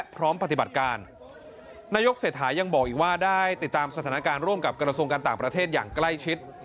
ปฏิบัติการนายกเศรษฐายังบอกอีกว่าได้ติดตามสถานการณ์ร่วมกับกระทรวงการต่างประเทศอย่างใกล้ชิด